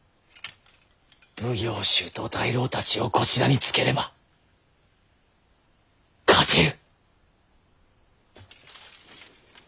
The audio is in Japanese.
奉行衆と大老たちをこちらにつければ勝てる。